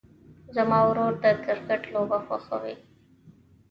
زما ورور د کرکټ لوبه خوښوي.